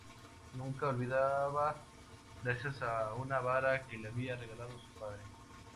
Nunca olvidaba, gracias a una vara que le había regalado su padre.